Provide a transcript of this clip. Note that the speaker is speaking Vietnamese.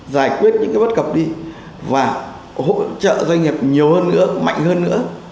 giải quyết những bất cập đi và hỗ trợ doanh nghiệp nhiều hơn nữa mạnh hơn nữa